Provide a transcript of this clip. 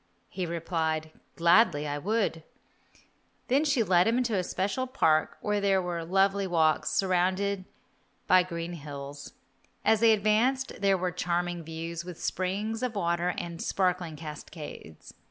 He replied, "Gladly would I." She then led him into a special park where there were lovely walks, surrounded by green hills. As they advanced there were charming views, with springs of water and sparkling cascades.